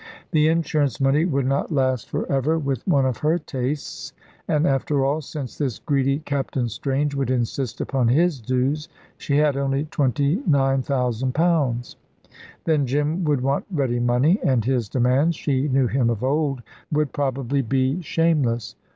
The insurance money would not last for ever with one of her tastes, and after all since this greedy Captain Strange would insist upon his dues she had only twenty nine thousand pounds. Then Jim would want ready money, and his demands she knew him of old would probably be shameless.